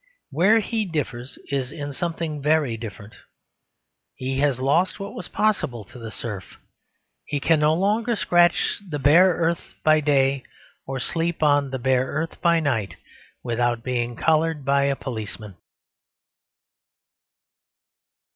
Where he differs is in something very different. He has lost what was possible to the serf. He can no longer scratch the bare earth by day or sleep on the bare earth by night, without being collared by a policeman.